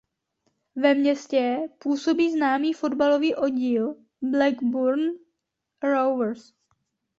Ve městě působí známý fotbalový oddíl Blackburn Rovers.